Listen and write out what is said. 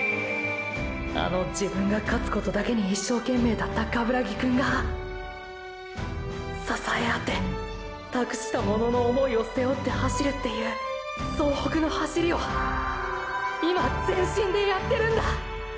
あの自分が勝つことだけに一生懸命だった鏑木くんが“支えあって託した者の思いを背負って走る”っていう総北の走りを今全身でやってるんだ！！